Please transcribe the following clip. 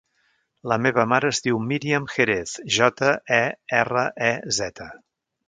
La meva mare es diu Míriam Jerez: jota, e, erra, e, zeta.